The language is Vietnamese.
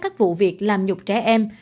các vụ việc làm nhục trẻ em